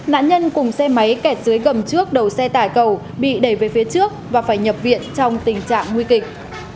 nạn nhân cùng xe máy kẹt dưới gầm trước đầu xe tải cầu bị đẩy về phía trước và phải nhập viện trong tình trạng nguy kịch